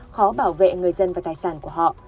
khó bảo vệ người dân và tài sản của họ